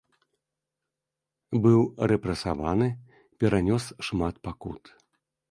Быў рэпрэсаваны, перанёс шмат пакут.